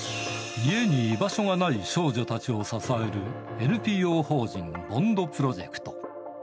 家に居場所がない少女たちを支えるＮＰＯ法人ＢＯＮＤプロジェクト。